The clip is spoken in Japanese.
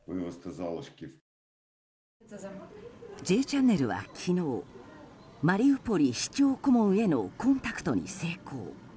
「Ｊチャンネル」は昨日マリウポリ市長顧問へのコンタクトに成功。